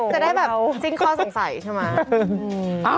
จะได้แบบซิ่งข้อสังสัยใช่มะ